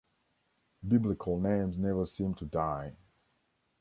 Biblical names never seem to die.